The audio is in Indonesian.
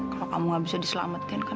kalau kamu gak bisa diselamatin kan